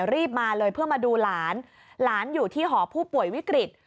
รีบมาเลยเพื่อมาดูหลานหลานอยู่ที่หอผู้ป่วยวิกฤต